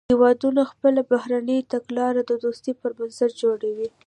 هیوادونه خپله بهرنۍ تګلاره د دوستۍ پر بنسټ جوړوي